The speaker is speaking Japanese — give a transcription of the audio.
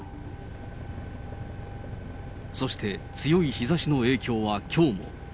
そして強い日ざしの影響はきょうも。